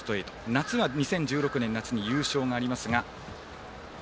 夏は２０１６年に優勝がありますが。